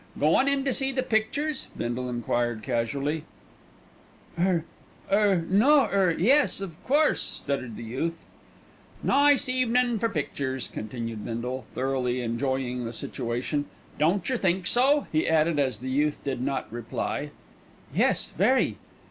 "Goin' in to see the pictures?" Bindle enquired casually. "Er no er yes, of course," stuttered the youth. "Nice evenin' for pictures," continued Bindle, thoroughly enjoying the situation. "Don't yer think so?" he added, as the youth did not reply. "Yes, very."